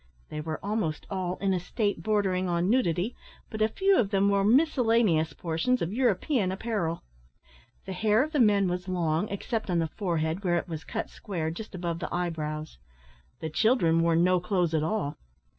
They were almost all in a state bordering on nudity, but a few of them wore miscellaneous portions of European apparel. The hair of the men was long, except on the forehead, where it was cut square, just above the eyebrows. The children wore no clothes at all.